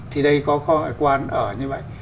thì đây có kho ngoại quan ở như vậy